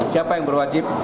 siapa yang berwajib